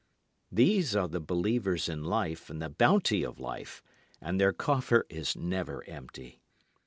These are the believers in life and the bounty of life, and their coffer is never empty.